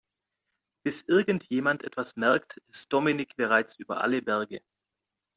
Bis irgendjemand etwas merkt, ist Dominik bereits über alle Berge.